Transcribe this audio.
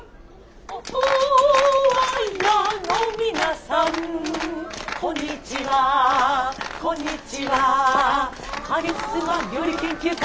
オトワヤのみなさんこんにちはこんにちはカリスマ料理研究家